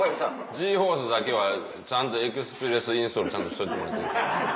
ＧｅＦｏｒｃｅだけはちゃんとエクスプレスインストールちゃんとしておいてもらっていいですか。